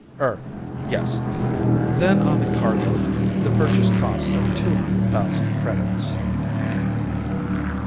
"Er ... yes. Then on the cargo, the purchase cost of two hundred thousand credits."